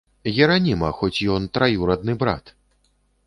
Гераніма, хоць ён траюрадны брат!